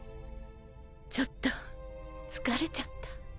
ちょっと疲れちゃった。